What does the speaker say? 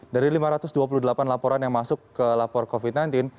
dari lima ratus dua puluh delapan laporan yang masuk ke lapor covid sembilan belas